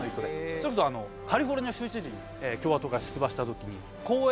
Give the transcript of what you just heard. それこそカリフォルニア州知事に共和党から出馬した時に。